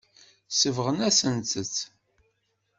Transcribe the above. Sebɣen-asent-tt.